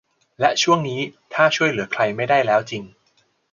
และช่วงนี้ถ้าช่วยเหลือใครไม่ได้แล้วจริง